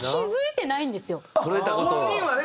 本人はね。